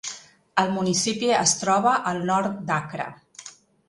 El municipi es troba al nord d"Accra.